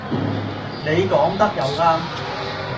你講得又啱